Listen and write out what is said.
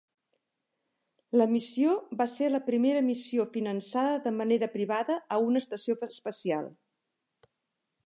La missió va ser la primera missió finançada de manera privada a una estació espacial.